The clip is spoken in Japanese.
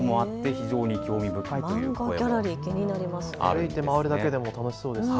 歩いて回るだけでも楽しそうですね。